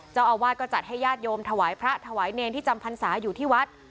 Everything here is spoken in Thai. เจ้าอาวาสก็จัดให้ญาติโยมถวายพระถวายเนรที่จำพรรษาอยู่ที่วัด